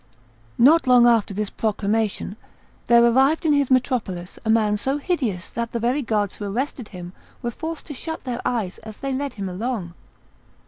Not long after this proclamation there arrived in his metropolis a man so hideous that the very guards who arrested him were forced to shut their eyes as they led him along.